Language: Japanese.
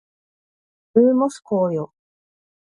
ルーモス光よ